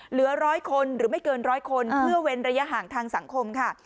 เหลือร้อยคนหรือไม่เกินร้อยคนเพื่อเว้นระยะห่างทางสังคมค่ะ